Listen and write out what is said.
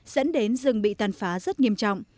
dẫn đến rừng bị tàn phá rất nghiêm trọng